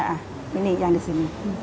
ah ini yang di sini